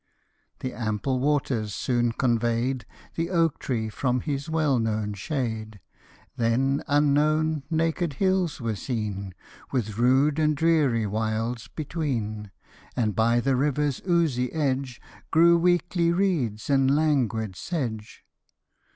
The ample waters soon convey'd The oak tree from his well known shade. Then unknown, naked hills were seen, With rude and dreary wilds between, And by the river's oozy edge Grew weakly reeds and languid sedge.